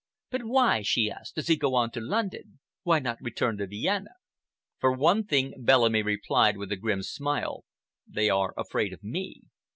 "But why," she asked, "does he go on to London? Why not return to Vienna?" "For one thing," Bellamy replied, with a grim smile, "they are afraid of me.